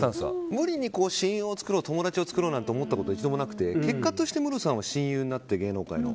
無理に、親友を作ろう友達を作ろうなんて思ったこと一度もなくて結果としてムロさんは親友になって芸能界の。